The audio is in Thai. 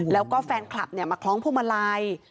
แล้วก็แฟนคลับมาคล้องพวงมาลัย